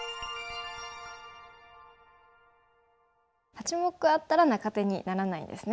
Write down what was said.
８目あったら中手にならないんですね。